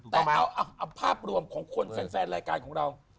แต่เอาภาพรวมของคนแฟนรายการของเรา